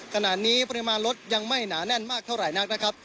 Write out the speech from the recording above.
ขณะนี้ปริมาณรถยังไม่หนาแน่นมากเท่าไหร่นักนะครับ